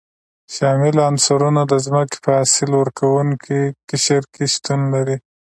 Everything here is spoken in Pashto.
شامل عنصرونه د ځمکې په حاصل ورکوونکي قشر کې شتون لري.